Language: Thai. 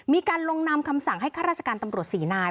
มีการลงนำคำสั่งให้ข้าราชการตำรวจ๔นาย